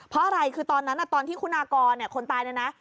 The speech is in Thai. เพราะอะไรคือตอนนั้นตอนที่คุณากรคนตายเนี่ยนะ